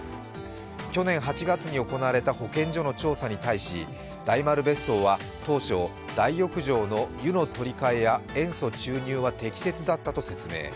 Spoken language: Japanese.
去年８月に行われた保健所の調査に対し大丸別荘は当初、大浴場の湯の取り替えや塩素注入は適切だったと説明。